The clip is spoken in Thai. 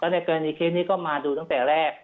ในกรณีเคสนี้ก็มาดูตั้งแต่แรก